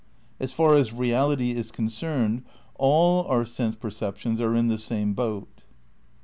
' "As far as reality is concerned all our sense perceptions are in the same boat."